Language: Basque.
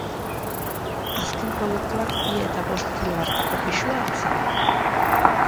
Azken produktuak bi eta bost kilo arteko pisua hartzen du.